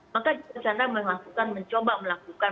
maka joko chandra melakukan mencoba melakukan